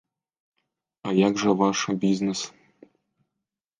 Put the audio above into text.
А як жа ваш бізнес?